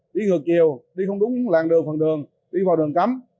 đi ngược chiều đi không đúng làng đường phần đường đi vào đường cắm